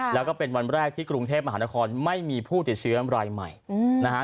แล้วก็เป็นวันแรกที่กรุงเทพมหานครไม่มีผู้ติดเชื้อรายใหม่นะฮะ